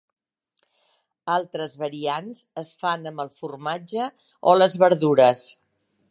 Altres variants es fan amb el formatge o les verdures.